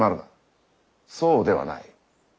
そうではない。